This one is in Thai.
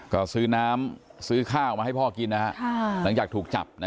ก็ซื้อน้ำซื้อข้าวมาให้พ่อกินหลังจากถูกจับ